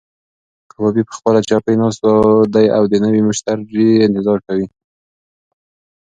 کبابي په خپله چوکۍ ناست دی او د نوي مشتري انتظار کوي.